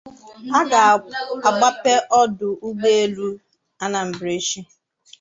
A Ga-Agbape Ọdụ Ụgbọelu Anambra Echi